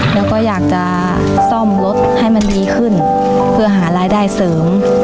แล้วก็อยากจะซ่อมรถให้มันดีขึ้นเพื่อหารายได้เสริม